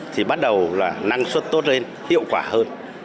thì bắt đầu là năng suất tốt lên hiệu quả hơn